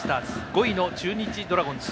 ５位の中日ドラゴンズ。